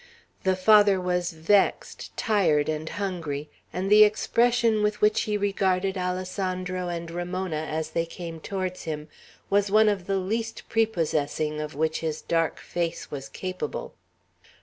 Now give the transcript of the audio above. The Father was vexed, tired, and hungry, and the expression with which he regarded Alessandro and Ramona, as they came towards him, was one of the least prepossessing of which his dark face was capable.